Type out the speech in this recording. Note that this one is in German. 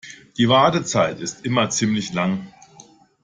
Die Wartezeit ist immer ziemlich lang.